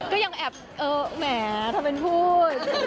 ก็ยังแอบเออแหมเธอเป็นพูด